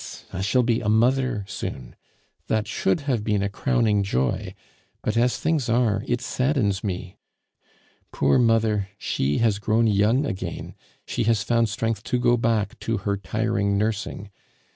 I shall be a mother soon. That should have been a crowning joy; but as things are, it saddens me. Poor mother! she has grown young again; she has found strength to go back to her tiring nursing.